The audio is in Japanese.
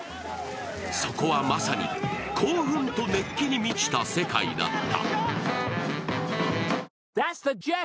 そこは、まさに興奮と熱気に満ちた世界だった。